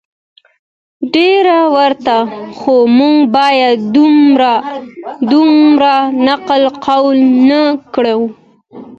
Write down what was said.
ډیر ورته خو موږ باید دومره نقل قول ونه کړو